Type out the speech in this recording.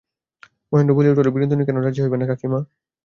মহেন্দ্র বলিয়া উঠিল, বিনোদিনী কেন রাজী হইবে না, কাকীমা।